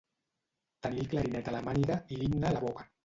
Tenir el clarinet a la màniga i l'himne a la boca.